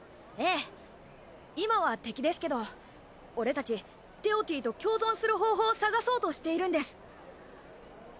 えぇ今は敵ですけど俺たちテオティと共存する方法を探そうとしているんです。